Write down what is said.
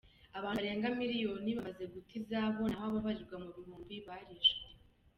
Abantu barenga miliyoni bamaze guta izabo, naho ababarirwa mu bihumbi barishwe.